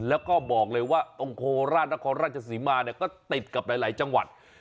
แล้วก็บอกเลยว่าตรงโคราชนครราชศรีมาเนี่ยก็ติดกับหลายจังหวัด